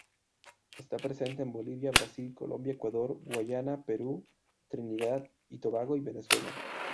Está presente en Bolivia, Brasil, Colombia, Ecuador, Guyana, Perú, Trinidad y Tobago y Venezuela.